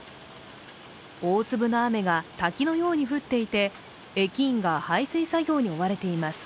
大粒の雨が滝のように降っていて、駅員が排水作業に追われています。